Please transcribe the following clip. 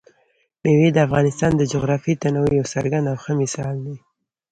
مېوې د افغانستان د جغرافیوي تنوع یو څرګند او ښه مثال دی.